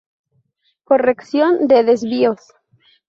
Corrección de desvíos.